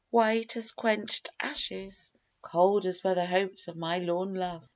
White as quench'd ashes, cold as were the hopes Of my lorn love!